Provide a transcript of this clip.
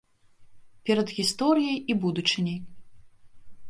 Перад гісторыяй і будучыняй.